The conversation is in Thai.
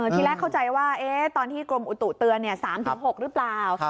ทีแรกเข้าใจว่าตอนที่กรมอุตุเตือน๓๖หรือเปล่า